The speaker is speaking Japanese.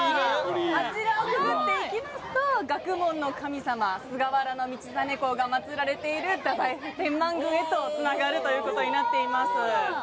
あちらをくぐっていきますと学問の神様菅原道真公が祀られている太宰府天満宮へとつながるということになっています。